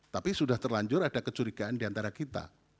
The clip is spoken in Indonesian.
tapi sudah terlanjur ada kecurigaan diantara kita